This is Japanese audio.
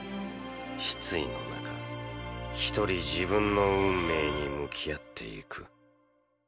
失意の中ひとり自分の運命に向き合っていく